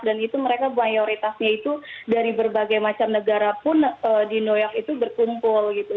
dan itu mereka mayoritasnya itu dari berbagai macam negara pun di new york itu berkumpul gitu